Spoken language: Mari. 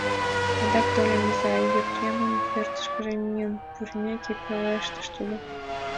— Адак тольым, изай, — Епремын пӧртышкыжӧ миен пурымеке, пелештыш тудо.